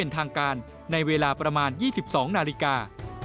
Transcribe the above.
เป็นทางการในเวลาประมาณ๒๒นาฬิกา